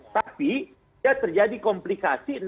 tapi ya terjadi komplikasi